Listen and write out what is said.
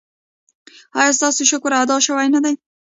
ایا ستاسو شکر ادا شوی نه دی؟